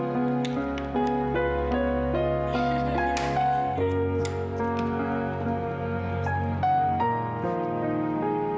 terima kasih pak